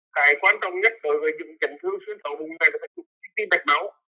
cái quan trọng nhất đối với những trận thương xuyên khẩu bụng này là phải chụp những ít mẹt máu